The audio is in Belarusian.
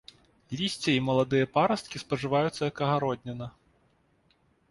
Лісце і маладыя парасткі спажываюцца як агародніна.